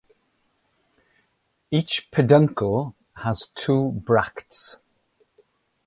Each peduncle has two bracts.